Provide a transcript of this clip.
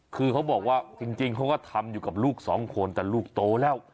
คือเขาบอกว่าจริงเขาก็ทำอยู่กับลูกสองคนแต่ลูกโตแล้ว